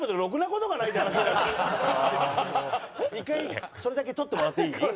１回それだけ取ってもらっていい？